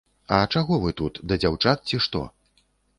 А чаго вы тут, да дзяўчат, ці што?